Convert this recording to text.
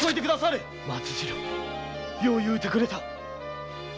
松次郎よう言うてくれた。